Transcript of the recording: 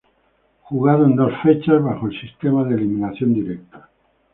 Jugado en dos fechas bajo el sistema de eliminación directa.